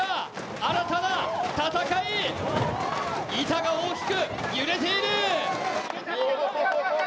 新たな戦い、板が大きく揺れている。